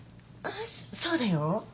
そうだよ。